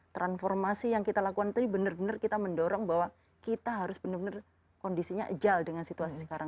transformasi yang kita lakukan tadi benar benar kita mendorong bahwa kita harus benar benar kondisinya agile dengan situasi sekarang